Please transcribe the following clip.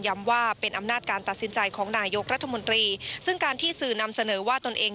ว่าเป็นอำนาจการตัดสินใจของนายกรัฐมนตรีซึ่งการที่สื่อนำเสนอว่าตนเอง